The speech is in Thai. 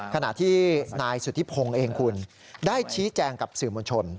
ขณะที่นายสุธิพงศ์เองคุณได้ชี้แจงกับสื่อมวลชน